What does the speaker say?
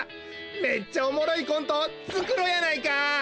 めっちゃおもろいコントをつくろうやないか！